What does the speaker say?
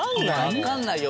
わかんないよ